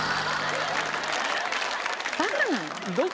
バカなの？